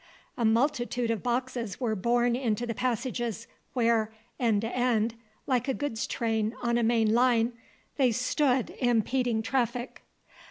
A multitude of boxes were borne into the passages where, end to end, like a good's train on a main line, they stood impeding traffic.